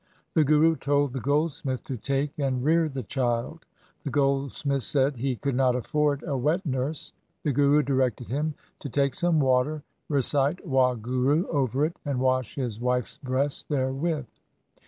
The Guru told the goldsmith to take and rear the child. The goldsmith said he could not afford a wet nurse. The Guru directed him to take some water, recite Wahguru over it, and wash his wife's breasts there with.